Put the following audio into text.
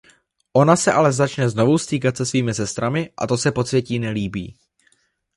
Ona se ale začne znovu stýkat se svými sestrami a to se podsvětí nelíbí.